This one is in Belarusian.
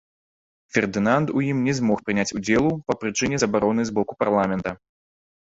Фердынанд у ім не змог прыняць удзелу па прычыне забароны з боку парламента.